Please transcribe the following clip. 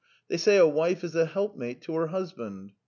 f They say a wife is a helpmate to her husband.